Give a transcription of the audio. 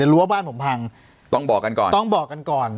รั้วบ้านผมพังต้องบอกกันก่อนต้องบอกกันก่อน